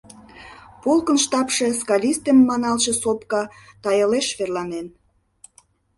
Полкын штабше Скалистый маналтше сопка тайылеш верланен.